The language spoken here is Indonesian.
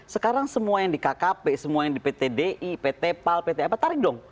sekarang semua yang di kkp semua yang di pt di pt pal pt apa tarik dong